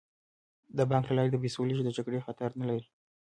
د بانک له لارې د پیسو لیږد د جګړې خطر نه لري.